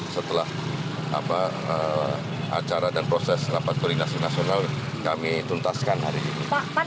setelah acara dan proses rapat koordinasi nasional kami tuntaskan hari ini